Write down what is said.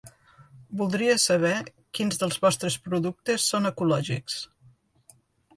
Voldria saber quins dels vostres productes són ecològics.